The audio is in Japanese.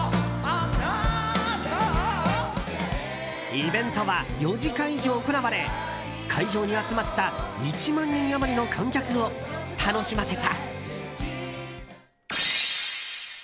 イベントは４時間以上行われ会場に集まった１万人余りの観客を楽しませた。